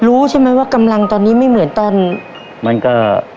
รู้ใช่ไหมว่ากำลังตอนนี้ไม่เหมือนตอนมันก็